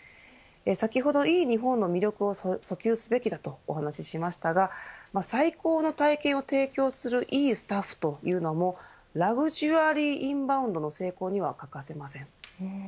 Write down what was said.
先ほどいい日本の魅力を訴求すべきとお話しましたが最高の体験を提供するいいスタッフというのもラグジュアリー・インバウンドの成功には欠かせません。